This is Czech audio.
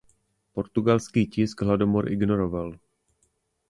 Portugalský tisk hladomor ignoroval.